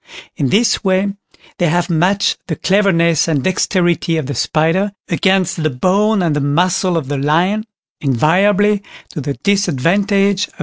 In this way they have matched the cleverness and dexterity of the Spider, against the bone and muscle of the Lion, invariably to the disadvantage of the latter.